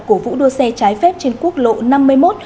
của vụ đua xe trái phép trên quốc lộ năm mươi một